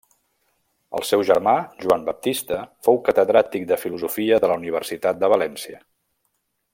El seu germà Joan Baptista fou catedràtic de filosofia de la Universitat de València.